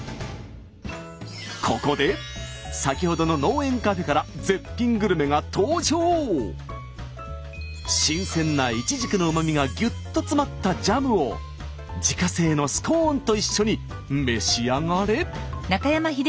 ここで先ほどの新鮮ないちじくのうまみがぎゅっと詰まったジャムを自家製のスコーンと一緒に召し上がれ！